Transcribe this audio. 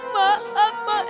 maaf pak rt